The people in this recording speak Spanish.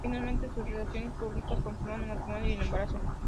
Finalmente, sus relaciones públicas confirmaron el matrimonio y el embarazo.